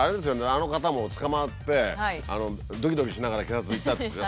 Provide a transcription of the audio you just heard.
あの方も捕まってドキドキしながら警察行ったって言ったでしょ。